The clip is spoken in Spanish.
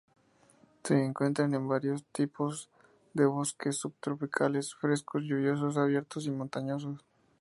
Se encuentran varios tipos de bosques: subtropicales, frescos lluviosos, abiertos, y montanos.